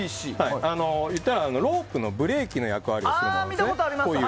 ロープのブレーキの役割をするものですね。